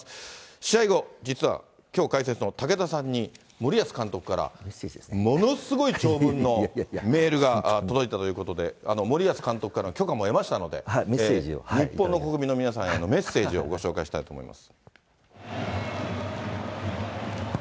試合後、実はきょう解説の武田さんに森保監督から、ものすごい長文のメールが届いたということで、森保監督からの許可も得ましたので、日本の国民の皆さんへのメッセージをご紹介したいと思います。